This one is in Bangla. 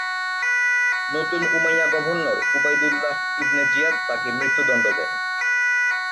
নতুন Umayyad governor Ubaidullah ibn Ziyad তাকে মৃত্যুদন্ড দেন।